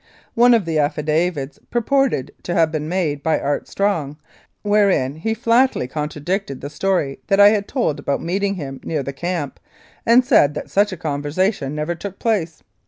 One of the affidavits purported to have been made by Art. Strong, wherein he flatly contra dicted the story that I had told about meeting him near the camp, and said that such a conversation never took place.